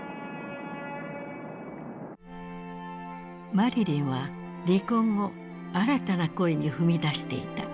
マリリンは離婚後新たな恋に踏み出していた。